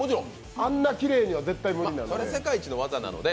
あんなきれいには絶対無理なので。